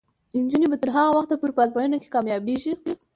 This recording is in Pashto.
نجونې به تر هغه وخته پورې په ازموینو کې کامیابیږي.